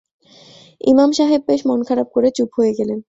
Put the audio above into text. ইমাম সাহেব বেশ মন খারাপ করে চুপ হয়ে গেলেন।